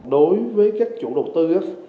đối với các chủ đầu tư